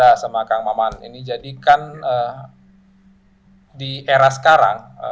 ya sama kang maman ini jadi kan di era sekarang